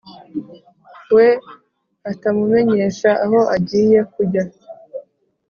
We atamumenyesha aho agiye kujya